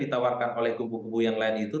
ditawarkan oleh kubu kubu yang lain itu